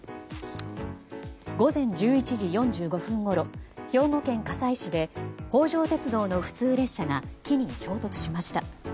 午前１１時４５分ごろ兵庫県加西市で北条鉄道の普通列車が木に衝突しました。